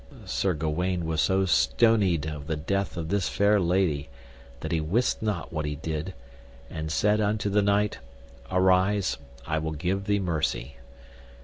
Sir Gawaine was so stonied of the death of this fair lady that he wist not what he did, and said unto the knight, Arise, I will give thee mercy.